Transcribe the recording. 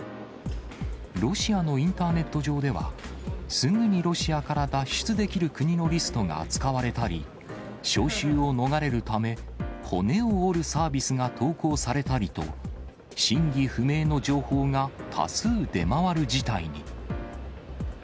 ロシアのインターネット上では、すぐにロシアから脱出できる国のリストが掲載されたり、招集を逃れるため、骨を折るサービスが投稿されたりと、真偽不明の情報が多数出回る事態に。